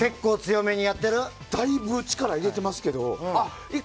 だいぶ力入れてますけど。